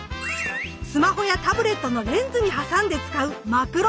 スマホやタブレットのレンズに挟んで使うマクロレンズ。